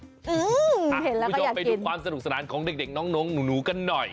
คุณผู้ชมไปดูความสนุกสนานของเด็กน้องหนูกันหน่อย